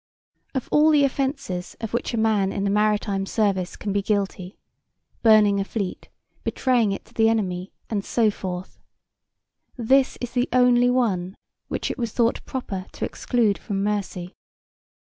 Of all the offences of which a man in the maritime service can be guilty, burning a fleet, betraying it to the enemy and so forth, this is the only one which it was thought proper to exclude from mercy.